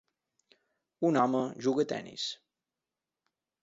Un home juga a tennis.